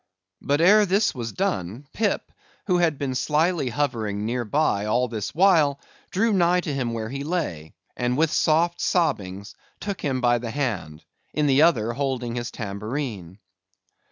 But ere this was done, Pip, who had been slily hovering near by all this while, drew nigh to him where he lay, and with soft sobbings, took him by the hand; in the other, holding his tambourine.